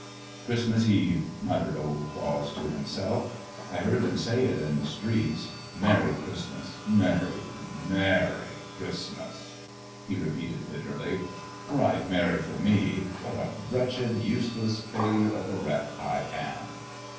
"Christmas Eve," muttered Old Claus to himself. "I heard them say it in the streets. Merry Christmas! merry, merry Christmas!" he repeated bitterly. "Right merry for me. What a wretched, useless failure of a wreck I am!"